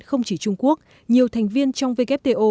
không chỉ trung quốc nhiều thành viên trong wto